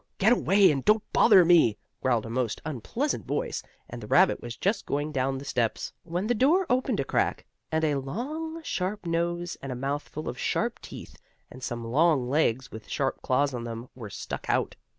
Get away and don't bother me!" growled a most unpleasant voice, and the rabbit was just going down the steps, when the door opened a crack, and a long, sharp nose and a mouth full of sharp teeth, and some long legs with sharp claws on them, were stuck out.